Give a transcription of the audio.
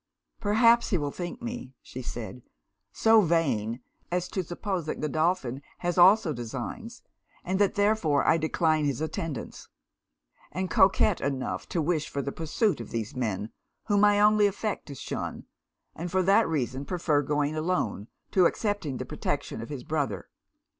'Perhaps he will think me,' said she, 'so vain as to suppose that Godolphin has also designs, and that therefore I decline his attendance; and coquet enough to wish for the pursuit of these men, whom I only affect to shun, and for that reason prefer going alone, to accepting the protection of his brother.